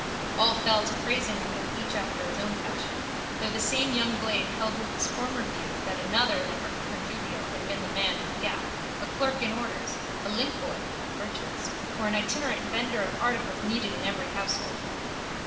All fell to praising of it, each after his own fashion, though the same young blade held with his former view that another than her conjugial had been the man in the gap, a clerk in orders, a linkboy (virtuous) or an itinerant vendor of articles needed in every household.